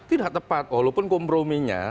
tidak tepat walaupun komprominya